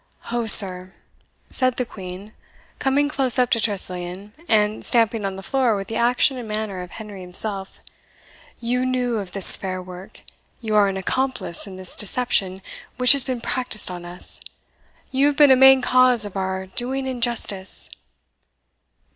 "Ho, sir!" said the Queen, coming close up to Tressilian, and stamping on the floor with the action and manner of Henry himself; "you knew of this fair work you are an accomplice in this deception which has been practised on us you have been a main cause of our doing injustice?"